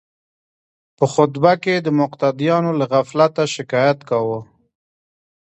په خطبه کې د مقتدیانو له غفلته شکایت کاوه.